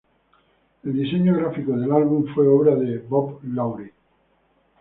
El diseño gráfico del álbum fue obra de Bob Lawrie.